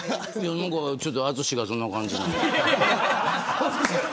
何かちょっと淳がそんな感じ。